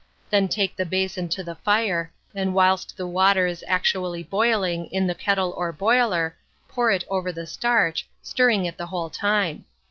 Then take the basin to the fire, and whilst the water is actually boiling in the kettle or boiler, pour it over the starch, stirring it the whole time.